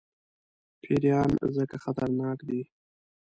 پیران ځکه خطرناک دي.